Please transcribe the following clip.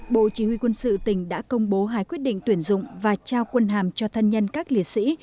bộ chỉ huy quân sự tỉnh đã công bố hai quyết định tuyển dụng và trao quân hàm cho thân nhân các liệt sĩ